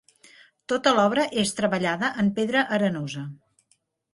Tota l'obra és treballada en pedra arenosa.